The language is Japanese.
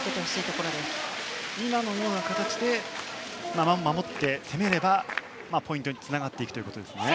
今のような形で守って、攻めればポイントにつながっていくということですね。